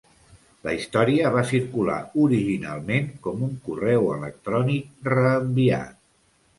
La història va circular originalment com un correu electrònic reenviat.